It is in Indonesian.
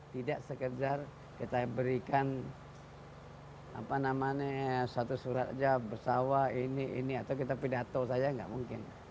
tidak sekedar kita berikan satu surat saja bersawa ini ini atau kita pidato saja nggak mungkin